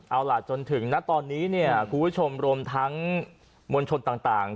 เอาล่ะจนถึงณตอนนี้เนี่ยคุณผู้ชมรวมทั้งมวลชนต่าง